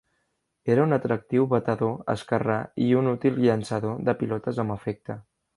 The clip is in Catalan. Era un atractiu batedor esquerrà i un útil llançador de pilotes amb efecte.